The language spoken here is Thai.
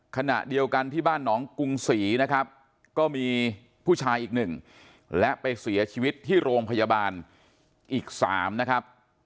ขณะเดียวกันที่บ้านหนองกรุงศรีนะครับก็มีผู้ชายอีกหนึ่งและไปเสียชีวิตที่โรงพยาบาลอีก๓นะครับ